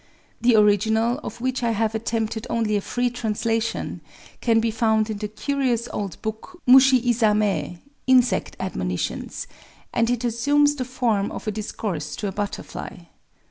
The original, of which I have attempted only a free translation, can be found in the curious old book Mushi Isamé ("Insect Admonitions"); and it assumes the form of a discourse to a butterfly.